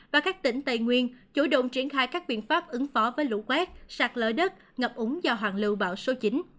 và các tỉnh tây nguyên chủ động triển khai các biện pháp ứng phó với lũ quét sạt lỡ đất ngập ủng do hoàng lưu bão số chín